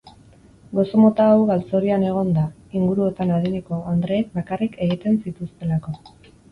Gozo mota hau galtzorian egon da, inguruotan adineko andreek bakarrik egiten zituztelako.